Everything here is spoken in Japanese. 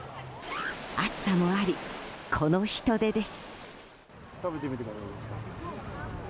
暑さもあり、この人出です。